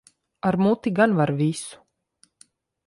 Ar muti gan var visu.